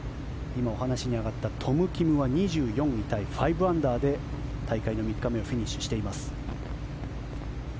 今、お話に上がったトム・キムは２４位タイ、５アンダーで大会の３日目をフィニッシュしています。